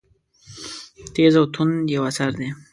تېز او توند یو اثر دی.